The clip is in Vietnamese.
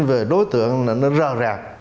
về đối tượng là nó rào rào